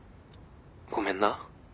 ごめんな。